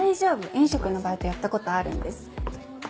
飲食のバイトやったことあるんです。